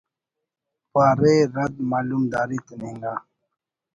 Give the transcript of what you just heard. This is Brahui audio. پارے رَد معلومداری تننگا